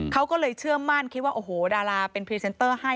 เขาก็เลยเชื่อมั่นคิดว่าโอ้โหดาราเป็นพรีเซนเตอร์ให้